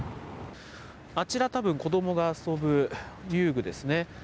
あちらたぶん、子どもが遊ぶ遊具ですね。